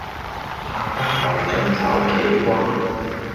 客家豆酱炒茄瓜